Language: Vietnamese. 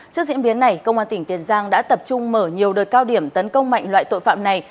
trước diễn biến này công an tỉnh tiền giang đã tập trung mở nhiều đợt cao điểm tấn công mạnh loại tội phạm này